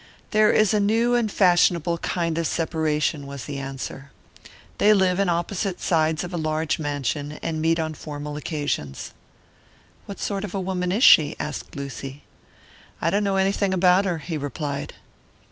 "There is a new and fashionable kind of separation," was the answer. "They live in opposite sides of a large mansion, and meet on formal occasions." "What sort of a woman is she?" asked Lucy, "I don't know anything about her," he replied.